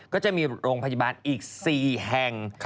ก็จะมีโรงพยาบาลอีก๔แห่ง